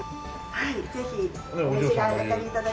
はい。